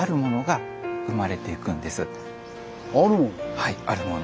はいあるもの。